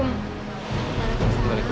terima kasih bu